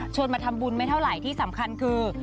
มาทำบุญไม่เท่าไหร่ที่สำคัญคือ